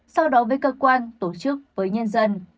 sau đó với cơ quan tổ chức với nhân dân